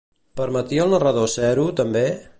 Permetia al narrador ser-ho, també?